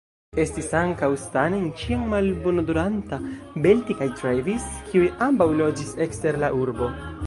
Estis ankaŭ Stanen, ĉiam malbonodoranta; Belti kaj Travis, kiuj ambaŭ loĝis ekster la urbo.